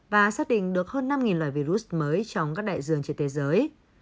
và xác định được hơn năm loài virus mới trong các đại dương trên thế giới